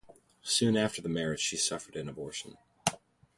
Soon after the marriage she suffered an abortion.